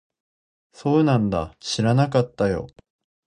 そうなんだ。知らなかったよ。